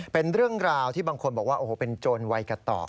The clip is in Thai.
เป็นเรื่องราวที่บางคนบอกว่าโอ้โหเป็นโจรวัยกระตอบ